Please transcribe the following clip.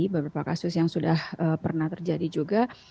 beberapa kasus yang sudah pernah terjadi juga